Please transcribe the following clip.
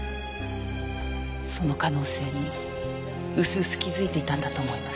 その可能性に薄々気づいていたんだと思います。